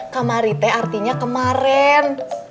kamari teh artinya kemaren